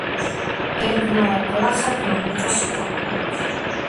ერგმა გლახაკმა მიწაში დაფლა ოქრო